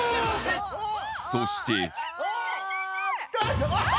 そして。